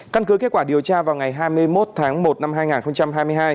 căn cứ kết quả điều tra vào ngày hai mươi một tháng một năm hai nghìn hai mươi hai